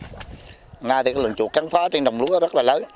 hôm nay lượng chuột cắn phá trên đồng lúa rất là lớn